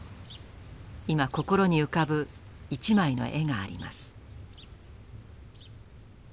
今心に浮かぶ一枚の絵があります。